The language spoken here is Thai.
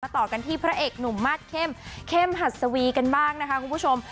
ต่อกันที่พระเอกหนุ่มมาสเข้มเข้มหัสวีกันบ้างนะคะคุณผู้ชม